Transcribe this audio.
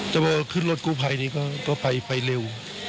แต่ว่าขึ้นรถกู้ภัยนี้ก็ไปเร็ว